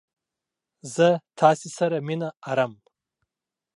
زه تاسې سره مينه ارم!